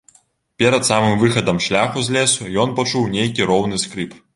Перад самым выхадам шляху з лесу, ён пачуў нейкі роўны скрып.